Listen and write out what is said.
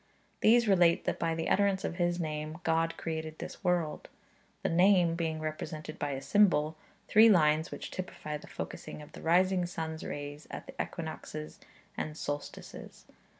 These relate that, by the utterance of His Name, God created this world; the Name being represented by the symbol /|\, three lines which typify the focusing of the rising sun's rays at the equinoxes and solstices.